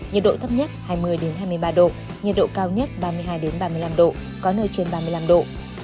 nhiệt độ thấp nhất hai mươi hai mươi ba độ nhiệt độ cao nhất ba mươi hai ba mươi năm độ có nơi trên ba mươi năm độ